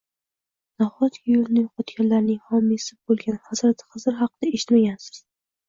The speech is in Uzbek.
Nahotki yo`lini yo`qotganlarning homiysi bo`lgan hazrati Xizr haqida eshitmagansiz